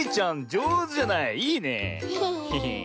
じょうずじゃない？いいねえ。